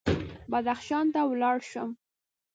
بدخشان ته ولاړ شم.